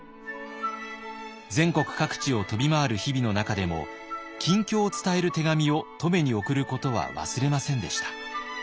全国各地を飛び回る日々の中でも近況を伝える手紙を乙女に送ることは忘れませんでした。